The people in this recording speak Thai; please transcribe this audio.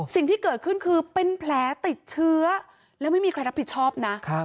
สิ่งที่เกิดขึ้นคือเป็นแผลติดเชื้อแล้วไม่มีใครรับผิดชอบนะ